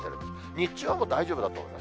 日中はもう大丈夫だと思います。